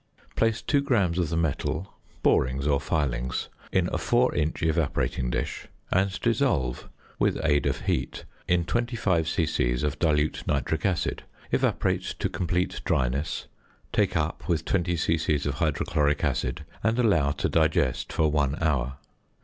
~ Place 2 grams of the metal (borings or filings) in a four inch evaporating dish, and dissolve (with aid of heat) in 25 c.c. of dilute nitric acid. Evaporate to complete dryness, take up with 20 c.c. of hydrochloric acid, and allow to digest for one hour.